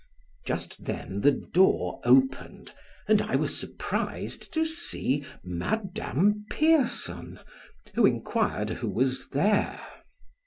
Just then the door opened and I was surprised to see Madame Pierson, who inquired who was there.